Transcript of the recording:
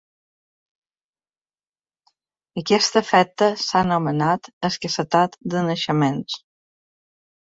Aquest efecte s'ha anomenat escassetat de naixements.